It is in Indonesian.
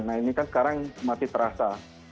nah ini kan sekarang masih terasa